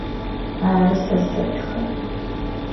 Arı, se setxe.